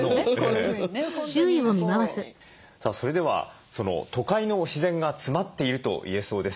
さあそれでは都会の自然が詰まっていると言えそうです。